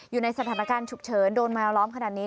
อยู่ในสถานการณ์ฉุกเฉินโดนแมวล้อมขนาดนี้